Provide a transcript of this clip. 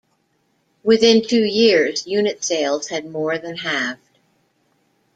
Within two years, unit sales had more than halved.